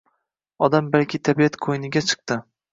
Odam balki tabiat qoʻyniga chiqdi